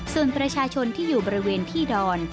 ส่วนประชาชนที่อยู่บริเวณที่ดอน